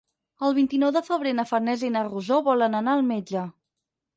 El vint-i-nou de febrer na Farners i na Rosó volen anar al metge.